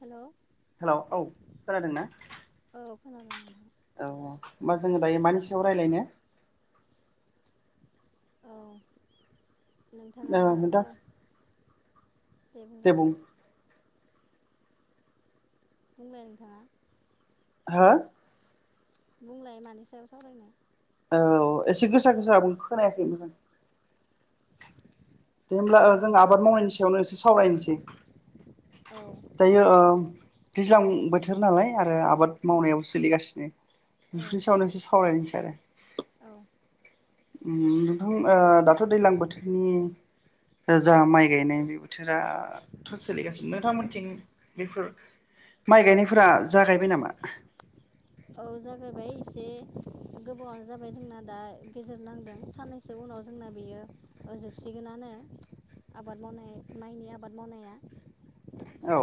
हेल'। Hello औ खोनादों ना? खोनादों नोंथां। औ औ होमबा जोङो दायो मानि सायाव रायलायनो? औ। ओ नोंथाङा नोंथां औ। दे बुंलाय बुंलाय नोंथाङा। हा बुंलाय मानि सायाव सावरायनो। औ एसे गोसा गोसा बुं खोनायाखै मोजां दे होनब्ला ओ औ जों आबाद मावनायनि सायावनो एसे सावरायनोसै औ दायो दे ओ दैज्लां बो थोर नालाय आरो आबाद मावनायाव सोलिगासिनो औ बिफोर सायावनो एसे सावरायसै आरो। औ। ओम नोंथां ओ दाथ दैज्लां बोथोरनि ओ जा माइ गायनाय बे बोथोराथ सोलिगासिनो नोंथां मोनथिं बेफोर माइ गायनायफोरा जागायबाय नामा? औ जागायबाय एसे गोबावानो जाबाय जोंना दा गेजेर नांदों साननैसो उनाव जोंना बेयो जोबसिगोनानो आबाद मावनाय माइनि आबाद मावनाया। औ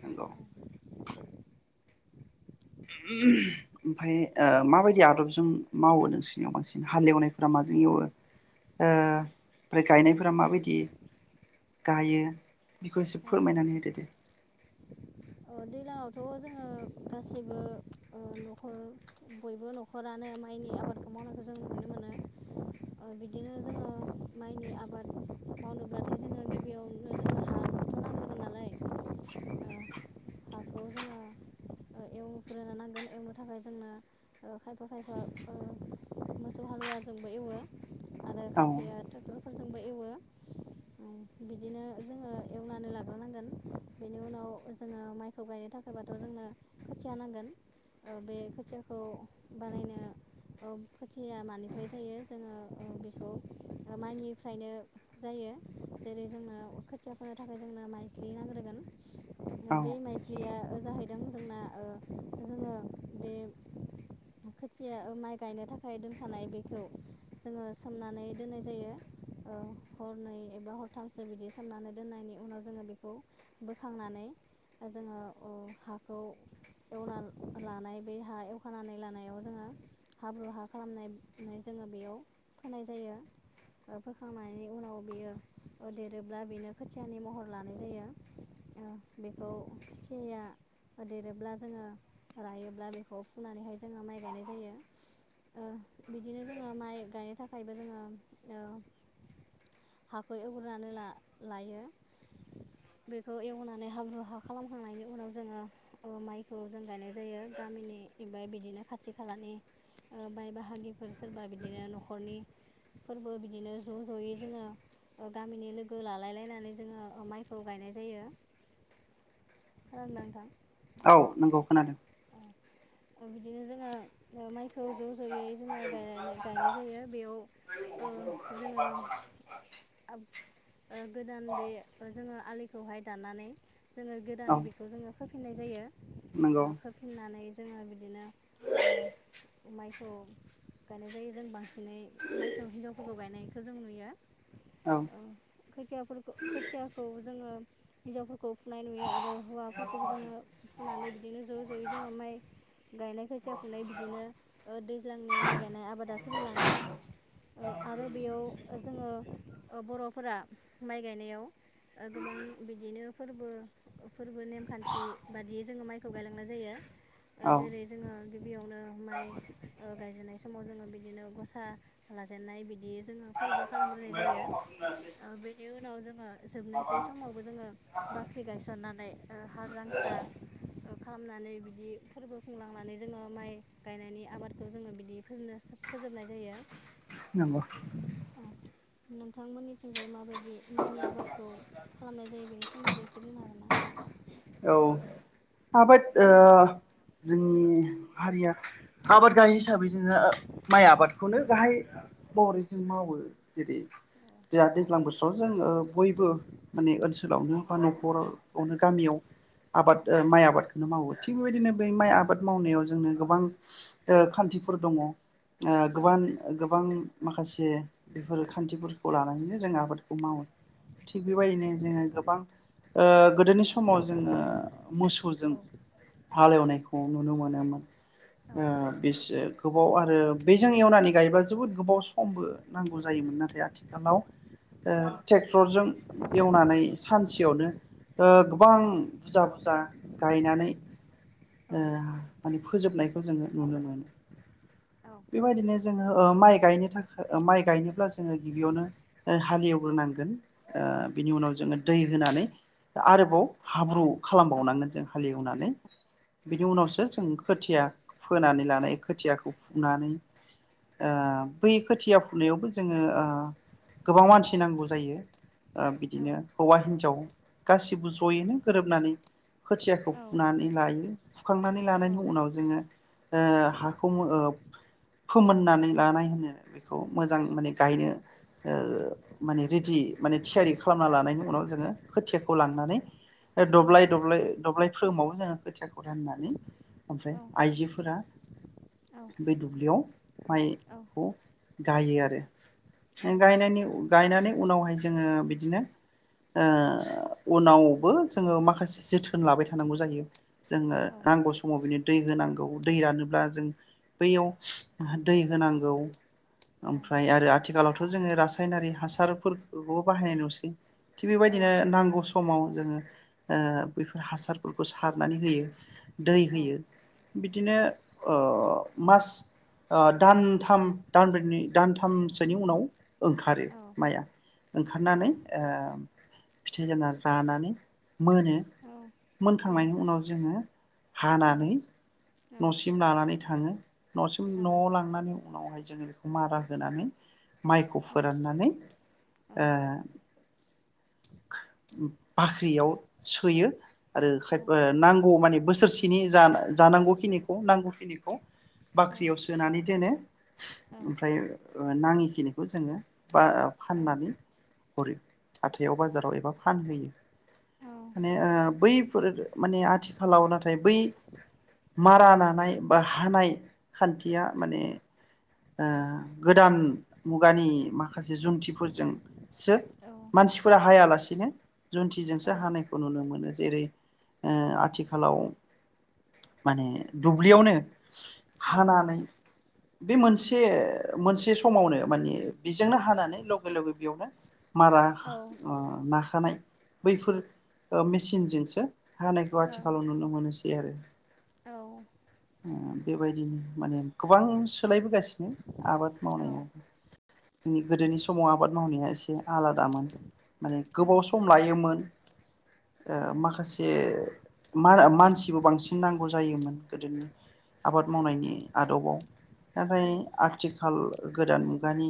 नंगौ। ओमफाय ओ माबायदि आदबजों मावो नोंसिनियाव बांसिन हालेवनायफ्रा माजों एवो ओ ओमफ्राय औ गायनायफोरा माबायदि गायो बेखौ एसे औ फोरमायनानै होदो दे। ओ दैलाङावथ जोङो गासैबो ओ नखर बयबो नखरानो माइनि आबादखौ मावनायखौ जों नुनो मोनो ओ बिदिनो जोङो माइनि आबाद मावनोब्लाथाय जोङो गिबियावनो जोंहा हाखौथ नांगोन नालाय ओ हाखौ जोङो ओ एवग्रोनो नांगोन एवनो थाखाय जोंनो ओ खायफा खायफा ओ मोसौ हालुवाजोंबो एवो आरो औ खायफायाथ फोरजोंबो एवो ओ बिदिनो जोङो एवनानै लाग्रोनांगोन बेनि उनाव जोङो माइखौ गायनो थाखायबाथ जोंनो खोथिया नांगोन ओ बे खोथियाखौ बानायनो औ खोथिया मानिफ्राय जायो जोङो ओ बेखौ माइनिफ्रायनो जायो जेरै जोंनो खोथिया फोनो थाखाय जोंनो माइज्लि नांग्रोगोन। औ बे माइज्लिया जाहैदों जोंना ओ जोङो बे खोथिया ओ माइ गायनो थाखाय दोनखानाय बेखौ जोङो सोमनानै दोननाय जायो ओ हरनै एबा हरथामसो बिदि सोमनानै दोननायनि उनाव जोङो बेखौ बोखांनानै जोङो औ हाखौ एवना लानाय बे हा एवखानानै लानायाव जोङो हाब्रु हा खालामनाय नानै जोङो बेयाव फोनाय जायो ओ फोखांनायनि उनाव बियो ओ देरोब्ला बेनो खोथियानि महर लानाय जायो ओ बेखौ खोथियाया देरोब्ला जोङो रायोब्ला बेखौ फुनानैहाय जोङो माइ गायनाय जायो ओ बिदिनो जोङो माइ गायनो थाखायबो जोङो ओ हाखौ एवग्रोनानै ला-लायो बेखौ एवना नै हाब्रु हा खालामखांनायनि उनाव जोङो ओ माइखौ जों गायनाय जायो गामिनि बा बिदिनो खाथि खालानि ओ बाइ बाहागिफोर सोरबा बिदिनो न'खरनि फोरबो बिदिनो ज' ज'यै जोङो ओ गामिनि लोगो लालाय लायनानै जोङो ओ माइखौ गायनाय जायो। खालामा नोंथां। औ नोंगौ खोनादों। औ बिदिनो जोङो ओ माइखौ ज' ज'यै जोङो गायनानै गायनाय जायो बेयाव ओ जोङो ओब ओ गोदान बे ओ जोङो आलिखौहाय दाननानै जोङो औ गोदानै बेखौ जोङो खोफिननाय जायो ओ नंगौ खो फिननानै जोङो बिदिनो ओ माइखौ गायनाय जायो जों बांसिनै माइखौ हिनजावफोरखौ गायनायखौ जों नुयो। औ ओ खोथियाफोरखौ खोथियाखौ जोङो हिनजावफोरखौ फुनाय नुयो आरो हौवाफोरखौबो जोङो फुनानै बिदिनो ज' ज'यै जोङो माइ गायनाय खोथिया फुनाय बिदिनो ओ दैज्लांनि माइ गायनाय आबादा सोलिलाङो ओ आरो बेयाव जोङो ओ बर'फोरा माइ गायनायाव ओ गोबां बिदिनो फोरबो फोरबो नेमखान्थि बादियै जोङो माइखौ गायलांनाय जायो। ओ औ जेरै जोङो गिबियावनो माइ ओ गायजेननाय समाव जोङो बिदिनो गसा लाजेननाय बिदि जोङो फोरबो खालामग्रोनाय जायो। ओ बेनि उनाव जोङो जोबनोसै समावबो जोङो बाख्रि गायसननानै ओ हाल जांख्रा ओ खालामनानै बिदि फोरबो खुंलांनानै जोङो माइ गायनायनि आबादखौ जोङो बिदि फोजोबनो फोजोबनाय जायो। नंगौ औ नोंथांमोननिथिंजाय माबायदि माइनि आबादखौ खालामनाय जायो बेनि सोमोन्दै एसे बुंनो हागोन ना? औ आबाद ओ जोंनि हारिया आबाद गाहाइ हिसाबै जोङो माइ आबादखौनो गाहाय महरै जों मावो जेरै दा दैज्लां बोसोराव जोंङो बयबो माने ओनसोलावनो बा न'खरावनो गामियाव आबाद ओ माइ आबादखौनो मावो। थिग बेबायदिनो बे माइ आबाद मावनायाव जोंनो गोबां ओ खान्थिफोर दङ'। ओ गोबान गोबां। माखासे बेफोरो खान्थिफोरखौ लानानैनो जोंङो आबादखौ मावो। थिग बेबायदिनो जोङो गोबां ओ गोदोनि समाव जोङो मोसौजों हालेवनायखौ नुनो मोनोमोन ओ बेसो गोबाव आरो बेजों एवनानै गायोब्ला जोबोद गोबाव समबो नांगौ जायोमोन। नाथाय आथिखालाव ओ ट्रेक्टरजों एवनानै सानसेयावनो ओ गोबां बुरजा बुरजा गायनानै। औ ओ मानि फोजोबनायखौ जोङो नुनो मोनो। औ बेबायदिनो जोङो ओ माइ गायनो थाखाय माइ गायनोब्ला जोङो गिबियावनो हालेवग्रोनांगोन ओ बिनि उनाव जोङो दै होनानै आरोबाव हाब्रु खालामबावनांगोन जों हालेवनानै। बिनि उनावसो जों खोथिया फोनानै लानाय खोथियाखौ फुनानै ओ बै खोथिया फुनायावबो जोङो ओ गोबां मानसि नांगौ जायो। ओ औ बिदिनो हौवा हिन्जाव। गासिबो ज'यैनो गोरोबनानै। खोथियाखौ औ फुनानै लायो। फुखांनानै औ लानायनि उनाव जोङो ओ हाखौ ओ फोमोननानै लानाय होनो। बेखौ मोजां माने गायनो ओ माने रेडि माने थियारि खालामना लानायनि उनाव जोङो खोथियाखौ लांनानै औ दब्लाय दब्लाय दब्लाय [unintelligible] खोथियाखौ राननानै ओमफ्राय आइजोफोरा बे दुब्लियाव माइखौ गायो आरो गायनायनि गायनानै उनावहाय जोङो बिदिनो ओ उनाव बो जोङो माखासे जोथोन लाबाय थानांगौ जाहैयो। जोंनो नांगौ समाव बिनि दै होनांगौ दै रानोब्ला जों बैयाव दै होनांगौ। ओमफ्राय आरो आथिखालावथ जोङो रासायनारि हासारफोरखौबो बाहायनाय नुसै। थिग बेबायदिनो नांगौ समाव जोङो ओ बेैफोर हासारफोरखौ सार मानि होयो दै होयो बिदिनो अ मास ओ दानथाम दानब्रैनि दानथामसोनि उनाव ओंखारो माइआ ओंखारनानै ओ फिथाइ जाना रानानै मोनो मोनखांनायनि उनाव जोङो हानानै नसिम लानानै थाङो नसिम नआव लांनानै उनावहाय जोङो बेखौ मारा होनानै माइखौ फोराननानै ओ बाख्रियाव सोयो आरो खाय ओ नांगौ माने बोसोरसेनि जा जानांगौखिनिखौ नांगौखिनिखौ बाख्रियाव सोनानै दोनो ओमफ्राय ओ नाङिखिनिखौ जोङो बा फाननानै हरो हाथायाव बाजाराव एबा फानहैयो माने ओ बै फोर माने आथिखालाव नाथाय बै मारा नानाय बा हानाय खान्थिया माने ओ गोदान मुगानि माखासे जुन्थिफोरजों सो मानसिफोरा हायालासेनो जुन्थिजोंसो हानायखौ नुनो मोनो जेरै आथिखालाव माने दुब्लियावनो हानानै बे मोनसे मोनसे समावनो माने बेजोंनो हानानै लोगो लोगो बेयावनो मारा ना थानाय बैफोर मेसिनजोंसो हानायनायखौ आथि खालाव नुनो मोनो बि आरो औ ओ बेबायदिनो माने गोबां सोलायबोगासिनो आबाद मावनाया जोंनि गोदोनि समाव आबाद मावनाया एसे आलादामोन माने गोबाव सम लायोमोन ओ माखासे मा मानसिबो बांसिन नांगौ जायोमोन गोदोनि आबाद मावनायनि आदबाव थाखाय आथिखाल गोदान मुगानि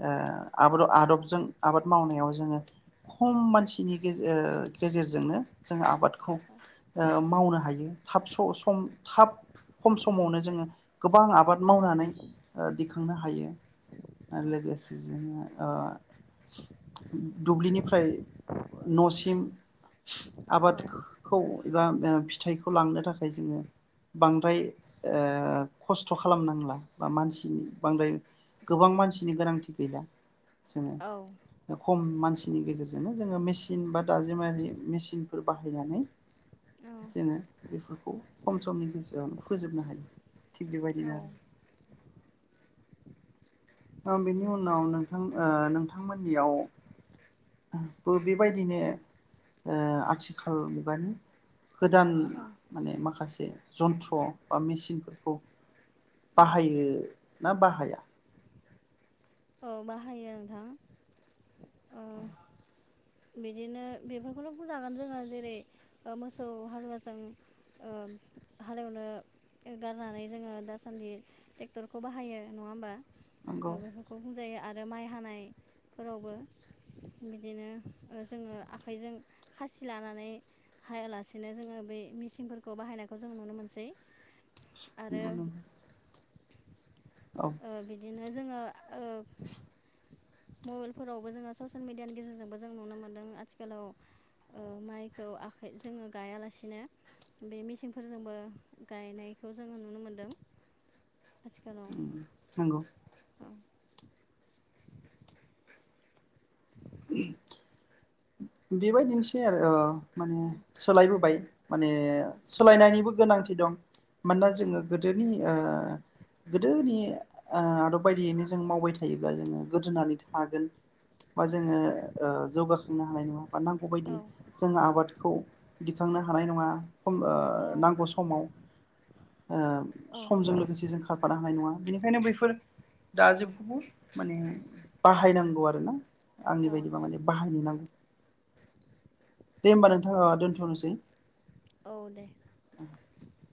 ओ आ आदबजों आबाद मावनायाव जोङो खम मानसिनि गेजेर गेजेरजोंनो जोङो आबाद खौ मावनो हा हायो थाब स सम थाब खम समावनो जोङो गोबां आबाद मावनानै ओ दिखांनो हायो औ आरो लोगोसे जोङो ओ दुब्लिनिफ्राय न'सिम औ औ आबादखौ एबा ओ फिथाइखौ लांनो थाखाय जोङो बांद्राय ओ खस्थ' खालामनांला बा मानसिनि बांद्राय गोबां मानसिनि गोनांथि गैला जोङो औ अ खम मानसि मानसिनि गेजेरजोंनो जोङो मेचिन बा दाजेमारि मेसिनफोर बाहायनानै जोङो बेफोरखौ खम समनि गोसोआवनो फोजोबनो हायो थिग बेबाय बे आरो औ ओ बेनि उनाव नोंथां नोंथांमोननियाव बो बेबायदिनो ओ आथिखाल मुगानि गोदान औ माने माखासे जन्थ्र बा मेचिनफोरखौ औ बाहायो ना बाहाया औ बाहायो नोंथां ओ [inaudible] बिदिनो बेफोरखौनो बुंजागोन जोङो जेरै ओ मोसौ हालुवाजों ओ हालेवनो गारनानै जोङो दासान्दि ट्रेक्टरखौ बाहायो नङा होमबा नंगौ जायो आरो माइ हानायफोरावबो बिदिनो ओ जोङो आखाइजों खासि लानानै हायालासेनो जोङो बे मेचिनफोरखौ बाहायनायखौ जों नुनो मोनसै आरो नंगौ नंगौ औ ओ बिदिनो जोङो ओ मबाइलफोरावबो जोङो ससेल मेडियानि गेजेरजोंबो जों नुनो मोनदों आथिखालाव ओ माइखौ आखाइ जोङो गायालासिनो बे मेचिनफोरजोंबो गायनायखौ जोङो नुनो मोनदों आथिखालाव नोंगौ औ बेबायदिनोसै आरो ओ माने औ सोलायबोबाय माने औ सोलायनायनिबो गोनांथि दं मानोना औ जोङो गोदोनि ओ गोदोनि ओ आदब बायदियैनो जों मावबाय थायोब्ला जोङो गोदोनानै थागोन बा जों जोङो ओ जौगाखांनो हानाय नङा बा नांगौबायायदि जोंङो आबादखौ दिखांनो हानाय नङा होमबा नांगौ समाव ओ औ समजों लोगोसे जों खारफानो हानाय नङा बेनिखायनो बैफोर दाजेखौबो माने बाहायनांगौ आरोना आंनि औ बायदिबा माने बाहायनो नांगौ दे होमबा नोंथां आ दोनथ'नोसै। औ दे। [inaudible]